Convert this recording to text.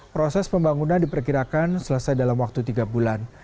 proses pembangunan diperkirakan selesai dalam waktu tiga bulan